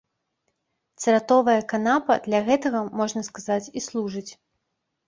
Цыратовая канапа для гэтага, можна сказаць, і служыць.